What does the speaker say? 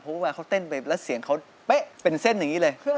เพราะว่าเขาเต้นไปแล้วเสียงเขาเป๊ะเป็นเส้นอย่างนี้เลย